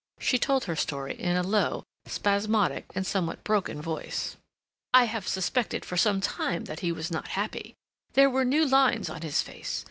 She told her story in a low, spasmodic, and somewhat broken voice. "I have suspected for some time that he was not happy. There were new lines on his face.